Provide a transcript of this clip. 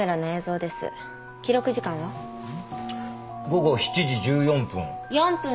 午後７時１４分。